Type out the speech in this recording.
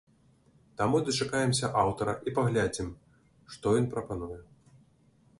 Таму дачакаемся аўтара і паглядзім, што ён прапануе.